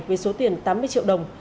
với số tiền tám mươi triệu đồng